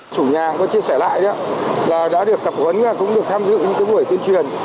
chủ nhà có chia sẻ lại là đã được tập huấn cũng được tham dự những buổi tuyên truyền